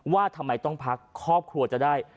ว่าทำไมต้องพักครอบครัวจะได้